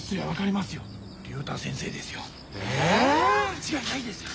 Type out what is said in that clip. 間違いないですよあれは。